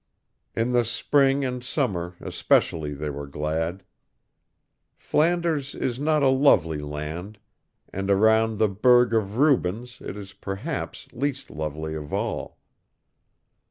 In the spring and summer especially were they glad. Flanders is not a lovely land, and around the burgh of Rubens it is perhaps least lovely of all.